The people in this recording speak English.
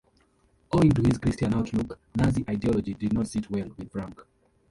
Owing to his Christian outlook, Nazi ideology did not sit well with Frank.